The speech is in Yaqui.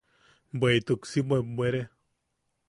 Bweʼituk si bwebbwere.